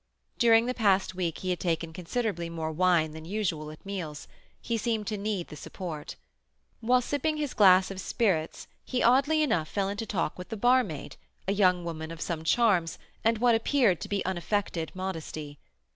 During the past week he had taken considerably more wine than usual at meals; he seemed to need the support. Whilst sipping at his glass of spirits, he oddly enough fell into talk with the barmaid, a young woman of some charms, and what appeared to be unaffected modesty.